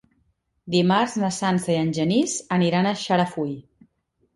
Dimarts na Sança i en Genís aniran a Xarafull.